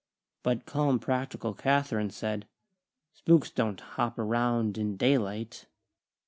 But calm, practical Kathlyn said: "Spooks don't hop around in daylight."